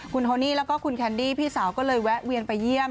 คุณโทนี่แล้วก็คุณแคนดี้พี่สาวก็เลยแวะเวียนไปเยี่ยม